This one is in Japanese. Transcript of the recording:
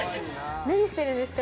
何してるんですか？